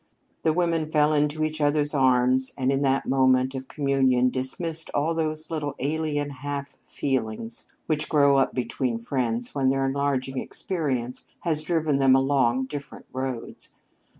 The women fell into each other's arms, and in that moment of communion dismissed all those little alien half feelings which grow up between friends when their enlarging experience has driven them along different roads.